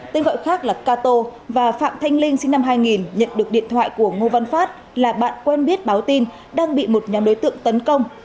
tên gọi khác là cato và phạm thanh linh sinh năm hai nghìn nhận được điện thoại của ngô văn phát là bạn quen biết báo tin đang bị một nhóm đối tượng tấn công